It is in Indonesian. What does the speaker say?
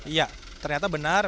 iya ternyata benar